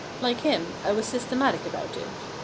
Like him, I was systematic about it.